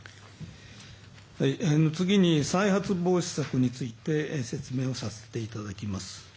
次に再発防止策について説明をさせていただきます。